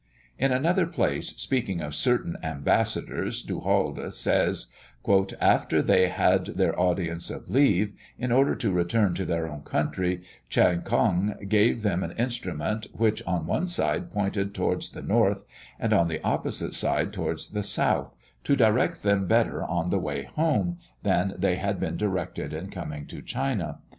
In another place, speaking of certain ambassadors, Du Halde says: "After they had their audience of leave, in order to return to their own country, Tcheou Kong gave them an instrument, which on one side pointed towards the north, and on the opposite side towards the south, to direct them better on the way home, than they had been directed in coming to China.